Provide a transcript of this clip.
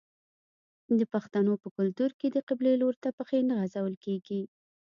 د پښتنو په کلتور کې د قبلې لوري ته پښې نه غځول کیږي.